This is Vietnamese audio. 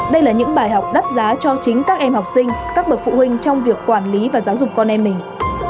đây là những bài học đắt giá cho chính các em học sinh các bậc phụ huynh trong việc quản lý và giáo dục con em mình